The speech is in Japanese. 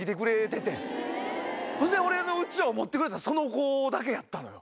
俺のうちわを持ってくれたんその子だけやったのよ。